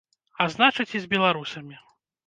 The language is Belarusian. А значыць, і з беларусамі.